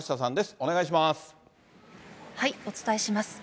お伝えします。